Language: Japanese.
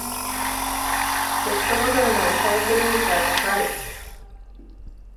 ペットボトルのリサイクル率は高い